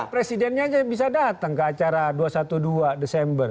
presidennya aja bisa datang ke acara dua ratus dua belas desember